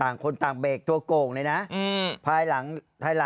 ไอ้ทีเลวอ่ะในขณะขับเข้าไป